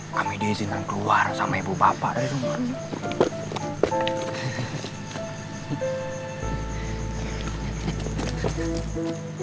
kami di izinkan keluar sama ibu bapak dari rumah